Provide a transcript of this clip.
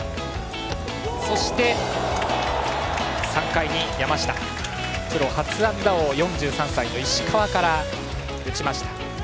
そして、３回に山下プロ初安打を４３歳の石川から打ちました。